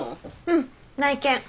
うん内見。